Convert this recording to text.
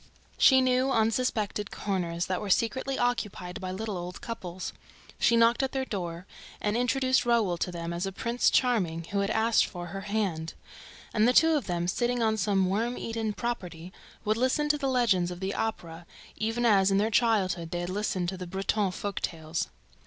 She knew unsuspected corners that were secretly occupied by little old couples. She knocked at their door and introduced Raoul to them as a Prince Charming who had asked for her hand; and the two of them, sitting on some worm eaten "property," would listen to the legends of the Opera, even as, in their childhood, they had listened to the old Breton tales.